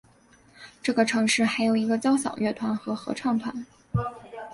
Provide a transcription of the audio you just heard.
这个城市还有一个交响乐团和合唱团。